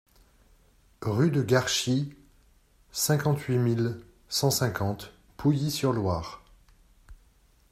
Rue de Garchy, cinquante-huit mille cent cinquante Pouilly-sur-Loire